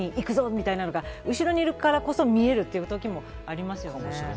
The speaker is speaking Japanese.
こういう時に行くぞというのが後ろにいるからこそ見えるというときもありますよね。